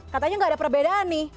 katanya nggak ada perbedaan nih